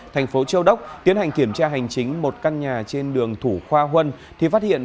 thành phố châu đốc tiến hành kiểm tra hành chính một căn nhà trên đường thủ khoa huân thì phát hiện